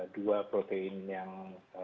dua protein yang